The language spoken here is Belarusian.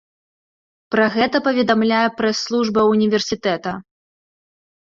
Пра гэта паведамляе прэс-служба ўніверсітэта.